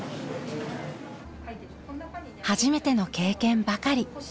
初めての経験ばかり。